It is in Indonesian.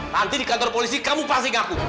nanti di kantor polisi kamu pasti ngaku